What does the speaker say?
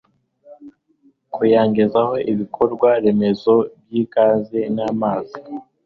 kuyagezaho ibikorwa remezo by'ibanze nk'amazi